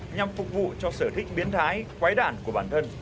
nhằm phục vụ cho sở thích biến thái quái đản của bản thân